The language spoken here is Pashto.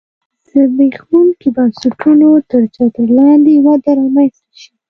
د زبېښونکو بنسټونو تر چتر لاندې وده رامنځته شي